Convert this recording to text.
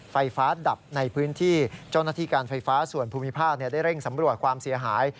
ไฟฟ้าดับในพื้นที่เจ้าหน้าที่การไฟฟ้าส่วนภูมิภาคได้เร่งสำรวจความเสียหาย